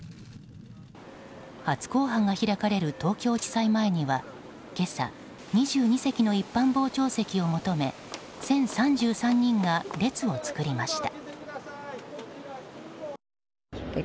初公判が開かれる東京地裁前には今朝、２２席の一般傍聴席を求め１０３３人が列を作りました。